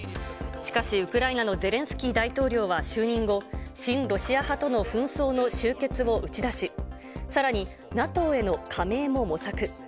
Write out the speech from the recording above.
しかし、ウクライナのゼレンスキー大統領は就任後、親ロシア派との紛争の終結を打ち出し、さらにＮＡＴＯへの加盟も模索。